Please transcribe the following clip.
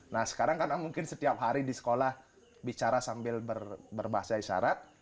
nah sekarang karena mungkin setiap hari di sekolah bicara sambil berbahasa isyarat